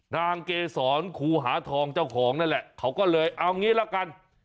นางเกษรครูหาทองเจ้าของนั่นแหละเขาก็เลยเอางี้ละกัน